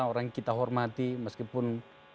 orang kita hormati meskipun